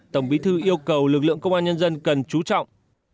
tổng bí thư yêu cầu lực lượng công an nhân dân cần chú trọng